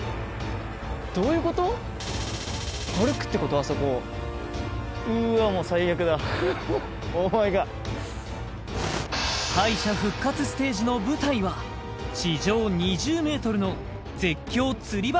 あそこをうわっもう最悪だ敗者復活ステージの舞台は地上２０ｍの絶叫つり橋